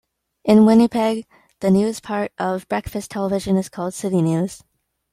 In Winnipeg, the news part of "Breakfast Television" is called "CityNews".